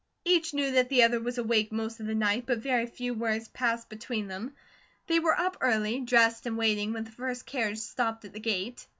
Each knew that the other was awake most of the night, but very few words passed between them. They were up early, dressed, and waiting when the first carriage stopped at the gate.